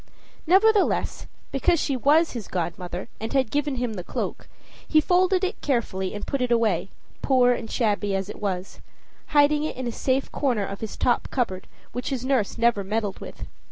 Nevertheless, because she was his godmother, and had given him the cloak, he folded it carefully and put it away, poor and shabby as it was, hiding it in a safe corner of his top cupboard, which his nurse never meddled with.